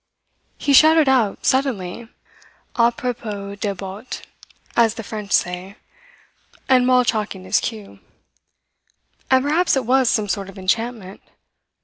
He shot it out suddenly, a propos des bottes, as the French say, and while chalking his cue. And perhaps it was some sort of enchantment.